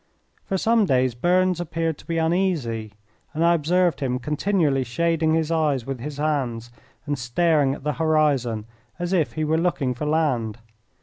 For some days Burns appeared to be uneasy, and I observed him continually shading his eyes with his hand and staring at the horizon as if he were looking for land.